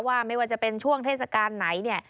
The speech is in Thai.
ว่าไม่ว่าจะเป็นช่วงเทศกาลไหน